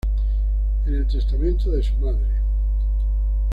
En el testamento de su madre, Dª.